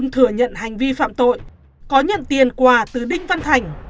ông hưng thừa nhận hành vi phạm tội có nhận tiền quà từ đinh văn thành